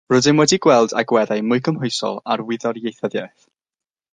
Rydym wedi gweld agweddau mwy cymhwysol ar wyddor ieithyddiaeth.